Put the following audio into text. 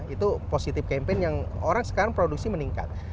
itu positif campaign yang orang sekarang produksi meningkat